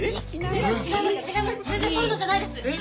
全然そういうのじゃないです。